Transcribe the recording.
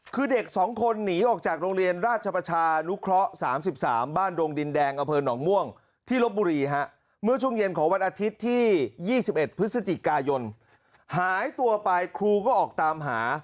คือเด็ก๒คนหนีออกจากโรงเรียนราชประชานุเคราะห์๓๓บ้านดงดินแดงอำเภอหนองม่วงที่ลบบุรีฮะเมื่อช่วงเย็นของวันอาทิตย์ที่๒๑พฤศจิกายนหายตัวไปครูก็ออกตามหา